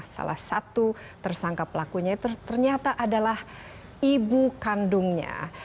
salah satu tersangka pelakunya ternyata adalah ibu kandungnya